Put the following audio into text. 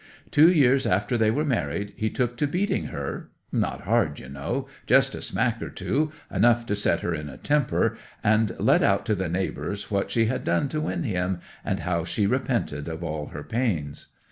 Two years after they were married he took to beating her—not hard, you know; just a smack or two, enough to set her in a temper, and let out to the neighbours what she had done to win him, and how she repented of her pains.